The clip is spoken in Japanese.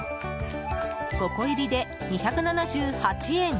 ５個入りで２７８円。